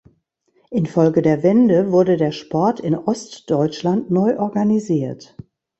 Infolge der Wende wurde der Sport in Ostdeutschland neu organisiert.